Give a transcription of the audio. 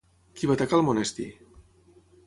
Qui va atacar el monestir?